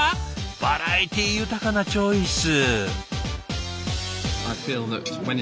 バラエティー豊かなチョイス。